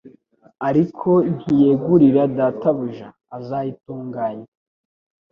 ariko nituyegurira Databuja, azayitunnganya